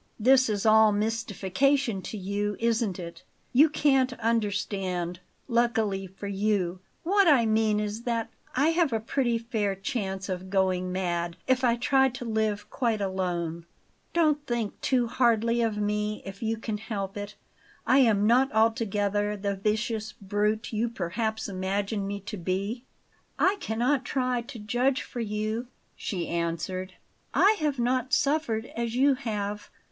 "This is all mystification to you, isn't it? You can't understand luckily for you. What I mean is that I have a pretty fair chance of going mad if I try to live quite alone Don't think too hardly of me, if you can help it; I am not altogether the vicious brute you perhaps imagine me to be." "I cannot try to judge for you," she answered. "I have not suffered as you have.